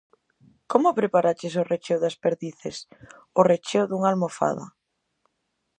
Como preparaches o recheo das perdices? O recheo dunha almofada.